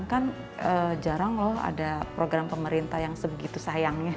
kan jarang loh ada program pemerintah yang sebegitu sayangnya